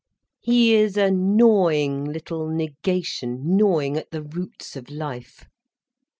"He is a gnawing little negation, gnawing at the roots of life."